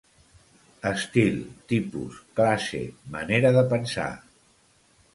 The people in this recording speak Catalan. Estil, tipus, classe, manera de pensar.